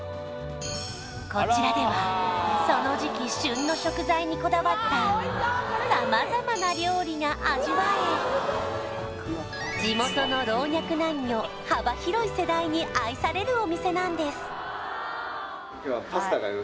こちらではその時期旬の食材にこだわった様々な料理が味わえ地元の老若男女幅広い世代に愛されるお店なんです